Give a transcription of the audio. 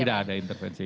tidak ada intervensi